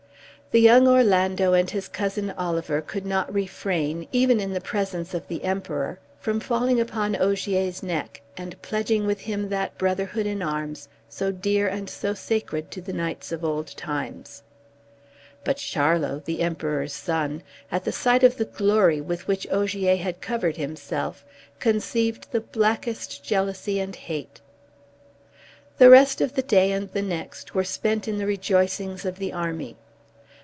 The young Orlando and his cousin Oliver could not refrain, even in the presence of the Emperor, from falling upon Ogier's neck, and pledging with him that brotherhood in arms, so dear and so sacred to the knights of old times; but Charlot, the Emperor's son, at the sight of the glory with which Ogier had covered himself, conceived the blackest jealousy and hate. The rest of the day and the next were spent in the rejoicings of the army.